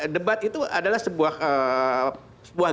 debat itu adalah sebuah